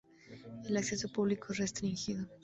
El acceso público es restringido.